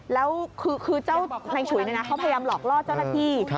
แล้วคือเจ้านายฉุยเขาพยายามหลอกล่อเจ้าหน้าที่